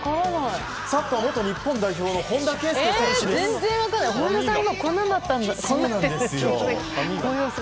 サッカー元日本代表の本田圭佑選手です。